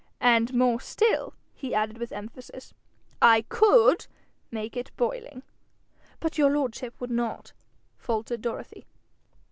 And more still,' he added with emphasis: 'I COULD make it boiling!' 'But your lordship would not?' faltered Dorothy.